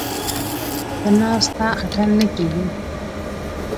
ـ په ناسته اتڼ نه کېږي.